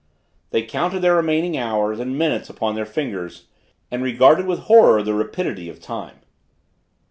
They counted their remaining hours and minutes upon their fingers, and regarded with horror the rapidity of time.